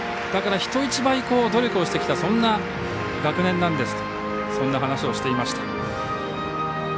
だから人一倍努力をしてきたそんな学年なんですとそんな話をしていました。